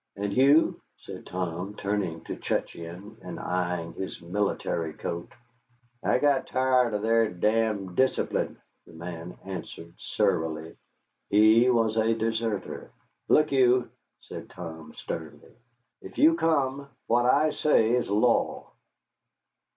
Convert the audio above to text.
"And you?" said Tom, turning to Cutcheon and eying his military coat. "I got tired of their damned discipline," the man answered surlily. He was a deserter. "Look you," said Tom, sternly, "if you come, what I say is law."